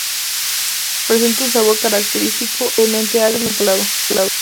Presenta un sabor característico, levemente agrio y salado.